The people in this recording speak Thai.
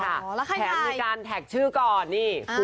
แล้วใครถ่ายแถมมีการแท็กชื่อก่อนนี่